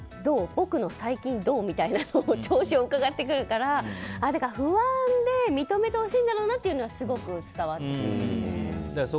僕の最近どう？みたいなのを調子をうかがってくるから不安で認めてほしいんだろうなというのはすごく伝わってきますね。